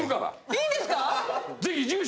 いいんですか！？